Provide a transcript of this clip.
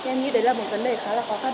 em nghĩ đấy là một vấn đề khá là khó khăn